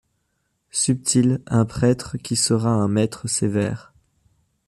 Subtil, un prêtre qui sera un maître sévère.